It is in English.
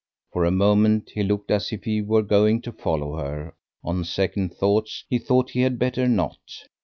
For a moment he looked as if he were going to follow her; on second thoughts he thought he had better not.